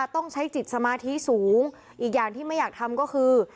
ต้องใช้จิตสมาธิสูงอีกอย่างที่ไม่อยากทำก็คือ